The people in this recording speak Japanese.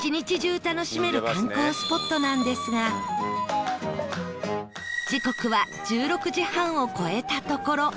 観光スポットなんですが時刻は１６時半を超えたところ